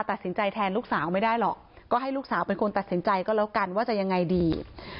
ตัดสินใจแทนลูกสาวไม่ได้หรอกก็ให้ลูกสาวเป็นคนตัดสินใจก็แล้วกันว่าจะยังไงดี